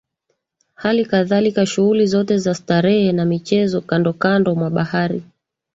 Hali kadhalika shughuli zote za starehe na michezo kando kando mwa bahari